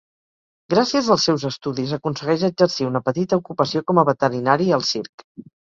Gràcies als seus estudis aconsegueix exercir una petita ocupació com a veterinari al circ.